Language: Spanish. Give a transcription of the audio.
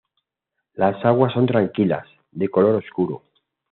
Las aguas son tranquilas, de color oscuro.